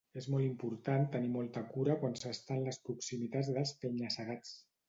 És molt important tenir molta cura quan s'està en les proximitats dels penya-segats.